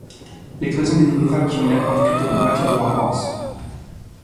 L'expression désigne des femmes qui ont une approche plutôt pragmatique de leur apparence.